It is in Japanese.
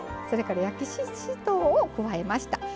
それから焼きししとうを加えました。